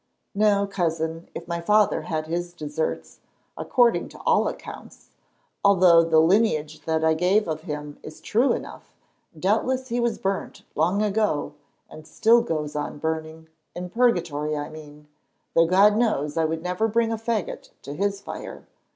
"No, Cousin, if my father had his deserts, according to all accounts, although the lineage that I gave of him is true enough, doubtless he was burnt long ago, and still goes on burning—in Purgatory, I mean—though God knows I would never bring a faggot to his fire.